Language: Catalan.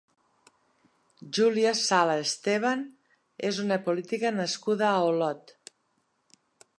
Júlia Sala Esteban és una política nascuda a Olot.